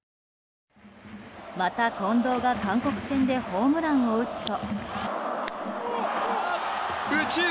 また、近藤が韓国戦でホームランを打つと。